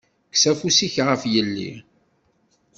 Kkes afus-ik ɣef yelli!